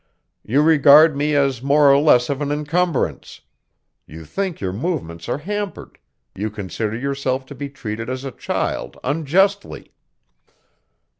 You regard me as more or less of an encumbrance; you think your movements are hampered; you consider yourself to be treated as a child unjustly.